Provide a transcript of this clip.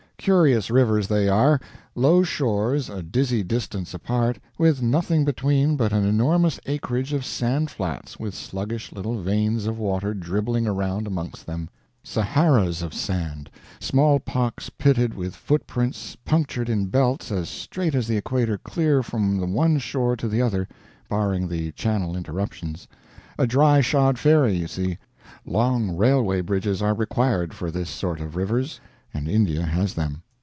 Curious rivers they are; low shores a dizzy distance apart, with nothing between but an enormous acreage of sand flats with sluggish little veins of water dribbling around amongst them; Saharas of sand, smallpox pitted with footprints punctured in belts as straight as the equator clear from the one shore to the other (barring the channel interruptions) a dry shod ferry, you see. Long railway bridges are required for this sort of rivers, and India has them.